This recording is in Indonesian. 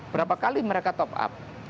berapa kali mereka top up